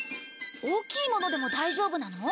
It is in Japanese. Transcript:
大きいものでも大丈夫なの？